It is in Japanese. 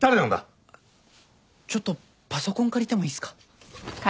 あっちょっとパソコン借りてもいいっすか？